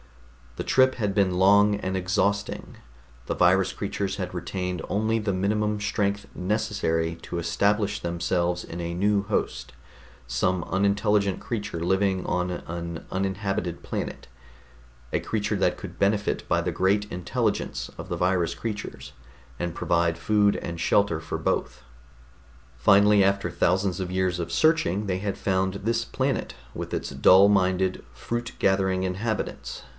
The trip had been long and exhausting; the virus creatures had retained only the minimum strength necessary to establish themselves in a new host, some unintelligent creature living on an uninhabited planet, a creature that could benefit by the great intelligence of the virus creatures, and provide food and shelter for both. Finally, after thousands of years of searching, they had found this planet with its dull minded, fruit gathering inhabitants.